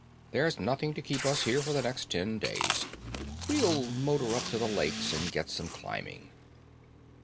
There's nothing to keep us here for the next ten days. We'll motor up to the Lakes and get some climbing."